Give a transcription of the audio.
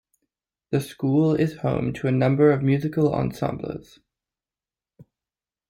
The school is home to a number of musical ensembles.